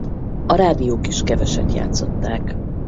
A rádiók is keveset játszották.